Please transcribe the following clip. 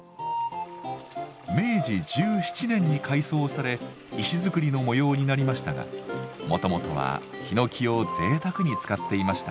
明治１７年に改装され石造りの模様になりましたがもともとは檜を贅沢に使っていました。